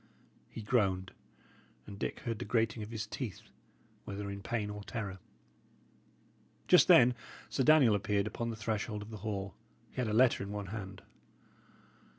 He groaned, and Dick heard the grating of his teeth, whether in pain or terror. Just then Sir Daniel appeared upon the threshold of the hall. He had a letter in one hand.